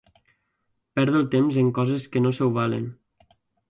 Perdo el temps en coses que no s'ho valen.